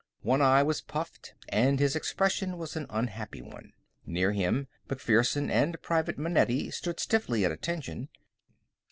One eye was puffed, and his expression was an unhappy one. Near him, MacPherson and Private Manetti stood stiffly at attention.